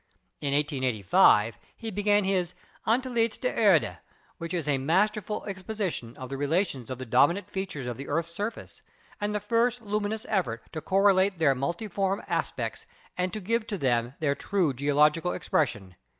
In 1885 he began his "Antlitz der Erde," which is a masterful expo sition of the relations of the dominant features of the earth's surface, and the first luminous effort to correlate their multiform aspects and give to them their true geo logical expression.